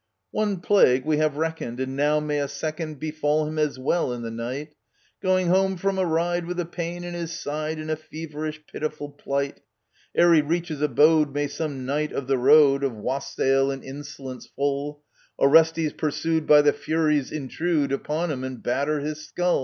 One plague we have reckoned And now may a second Befall him as well— in the night — Going home from a ride with a pain in his side, In a feverish pitiful plight ; Ere he reach his abode may some Knight of the Road, Of wassail and insolence full — Orestes pursued by the Furies} —intrude Upon him, and batter his skull